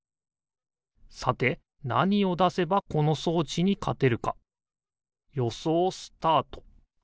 さてなにをだせばこのそうちにかてるかよそうスタート！